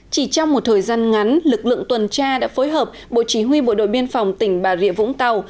chỉ trong một thời gian ngắn lực lượng tuần tra đã phối hợp bộ chỉ huy bộ đội biên phòng tỉnh bà rịa vũng tàu